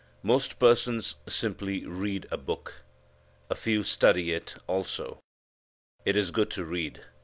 Most persons simply read a book. A few study it, also. It is good to read.